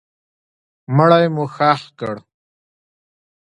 مړی مو ښخ کړ.